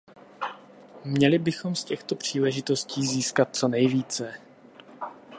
Měli bychom z těchto příležitostí získat co nejvíce.